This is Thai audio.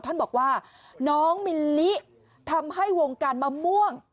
ท่านบอกว่าน้องมิลลิทำให้วงการมะม่วง